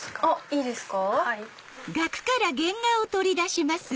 いいですか。